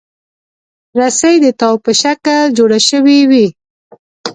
رسۍ د تاو په شکل جوړه شوې وي.